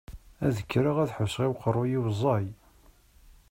Ad d-kkreɣ ad ḥusseɣ i uqerruy-iw ẓẓay.